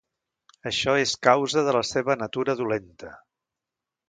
Això és causa de la seva natura dolenta.